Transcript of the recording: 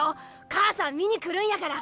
母さん見に来るんやから！